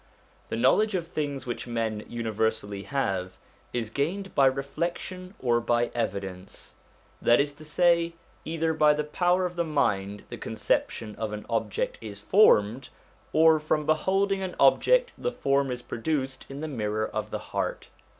The knowledge of things which men universally have, is gained by reflection or by evidence : that is to say, either by the power of the inind the conception of an object is formed, or from beholding an object the form is produced in the mirror of the heart.